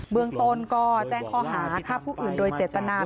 เมืองต้นก็แจ้งข้อหาฆ่าผู้อื่นโดยเจตนา